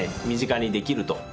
身近にできると。